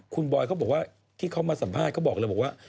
คุณบอยเขาบอกว่าที่เขามาสัมภาษณ์เขาบอกเลยบอกว่า